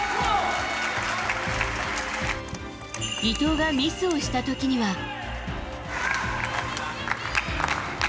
伊藤がミスをした時には。